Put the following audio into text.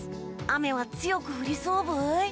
雨は強く降りそうブイ？